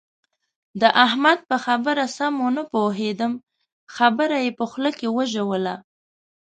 د احمد په خبره سم و نه پوهېدم؛ خبره يې په خوله کې وژوله.